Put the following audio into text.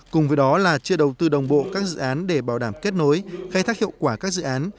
cùng với đó là chưa đầu tư đồng bộ các dự án để bảo đảm kết nối khai thác hiệu quả các dự án